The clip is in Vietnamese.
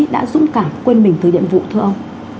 đã dũng cảm quân mình thử nhiệm vụ thưa ông